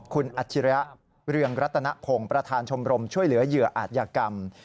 คุณอัจฉริยะเรืองรัตนพงศ์ประธานชมรมช่วยเหลือเหยื่ออาจยากรรม